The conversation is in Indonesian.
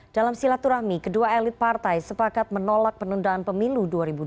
dalam silaturahmi kedua elit partai sepakat menolak penundaan pemilu dua ribu dua puluh